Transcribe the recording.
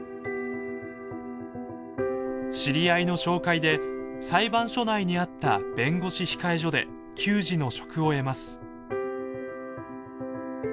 知り合いの紹介で裁判所内にあった弁護士控所で給仕の職を得ます。